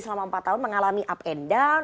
selama empat tahun mengalami up and down